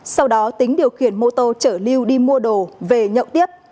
sau đó tính điều khiển mô tô chở lưu đi mua đồ về nhậu tiếp